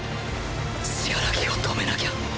死柄木を止めなきゃ